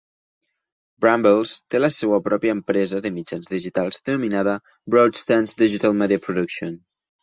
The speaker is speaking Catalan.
Brambles té la seva pròpia empresa de mitjans digitals denominada Broadstance Digital Media Production.